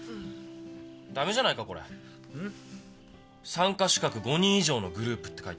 「参加資格５人以上のグループ」って書いてある。